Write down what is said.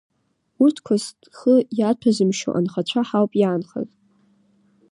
Урҭқәа зхы иаҭәазымшьо анхацәа ҳауп иаанхаз!